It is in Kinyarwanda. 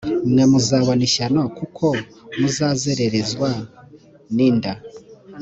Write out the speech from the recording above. mwe muzabona ishyano kuko muzererezwa ninda